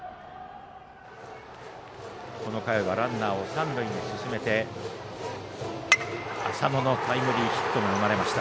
この回はランナーを三塁に進めて浅野のタイムリーヒットが生まれました。